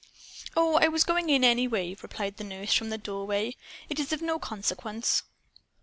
"Oh, I was going in, anyway," replied the nurse, from the doorway. "It is of no consequence."